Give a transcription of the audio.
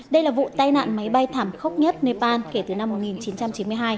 đây là vụ tai nạn máy bay thảm khốc nhất nepal kể từ năm một nghìn chín trăm chín mươi hai